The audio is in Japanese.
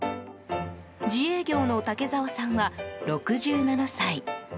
自営業の竹澤さんは６７歳。